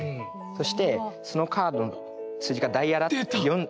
そしてそのカードの数字がダイヤの４とか。